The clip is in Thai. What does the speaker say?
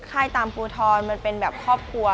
ค่ายตามภูทรมันเป็นแบบครอบครัว